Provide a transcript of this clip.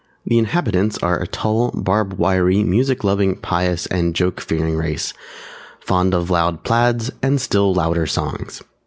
The inhabitants are a tall, barb wiry, music loving, pious and joke fearing race, fond of loud plaids and still Lauder songs.